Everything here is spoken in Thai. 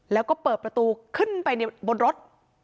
แล้วก็เปิดประตูขึ้นไปบนรถ